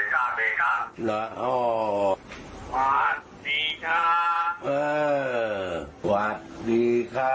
หวัดดีครับถูกผ่านดีค่ะ